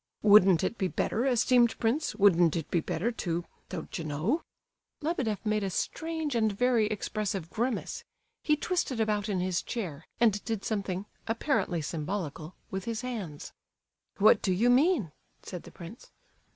"Wouldn't it be better, esteemed prince, wouldn't it be better—to—don't you know—" Lebedeff made a strange and very expressive grimace; he twisted about in his chair, and did something, apparently symbolical, with his hands. "What do you mean?" said the prince.